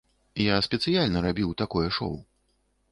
Я спецыяльна рабіў такое шоу.